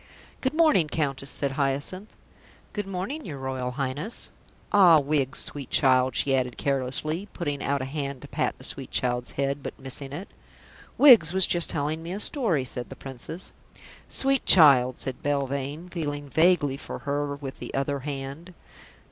"Good morning, Countess," said Hyacinth. "Good morning, your Royal Highness. Ah, Wiggs, sweet child," she added carelessly, putting out a hand to pat the sweet child's head, but missing it. "Wiggs was just telling me a story," said the Princess. "Sweet child," said Belvane, feeling vaguely for her with the other hand.